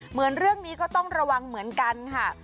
เหมือนเรื่องนี้ก็ต้องระวังเหมือนกันค่ะ